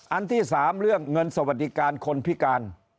อันที่๓เรื่องเงินสวัสดิการคนพิการ